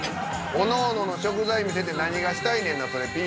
おのおのの食材見せて何がしたいねんなそれ。